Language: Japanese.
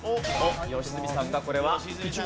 良純さんがこれは。